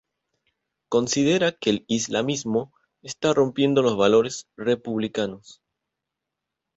Considera que el islamismo está rompiendo los valores republicanos.